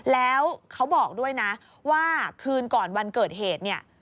แล้วเขาบอกด้วยนะว่าคืนก่อนวันเกิดเหตุเนี่ย